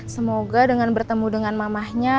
semoga dengan bertemu dengan mamahnya